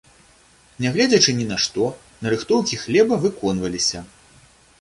Нягледзячы ні на што, нарыхтоўкі хлеба выконваліся.